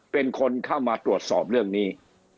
เป็นคนเข้ามาตรวจสอบเรื่องนี้